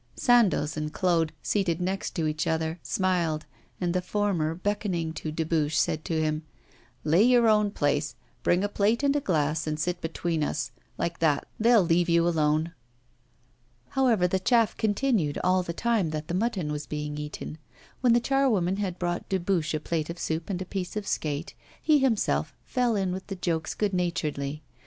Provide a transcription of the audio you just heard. Sandoz and Claude, seated next to each other, smiled, and the former, beckoning to Dubuche, said to him: 'Lay your own place, bring a plate and a glass, and sit between us like that, they'll leave you alone.' However, the chaff continued all the time that the mutton was being eaten. When the charwoman had brought Dubuche a plate of soup and a piece of skate, he himself fell in with the jokes good naturedly.